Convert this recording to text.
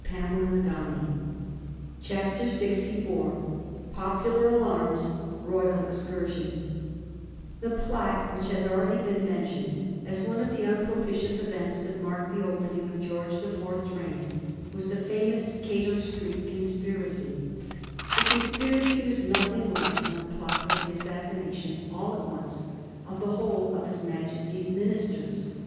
POPULAR ALARMS ROYAL EXCURSIONS. [Sidenote: 1820 The Cato Street conspiracy] The plot which has been already mentioned as one of the unpropitious events that marked the opening of George the Fourth's reign was the famous Cato Street conspiracy. The conspiracy was nothing less than a plot for the assassination, all at once, of the whole of his Majesty's ministers.